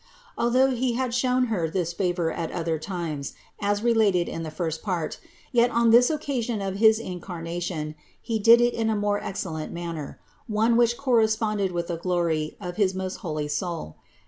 Al though He had shown Her this favor at other times, as related in the first part (No. 382, 429), yet on this occasion of his Incarnation He did it in a more excel lent manner; one which corresponded with the glory, of his most holy soul.